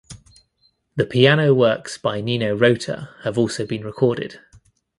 The piano works by Nino Rota have also been recorded.